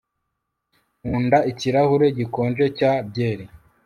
Nkunda ikirahure gikonje cya byeri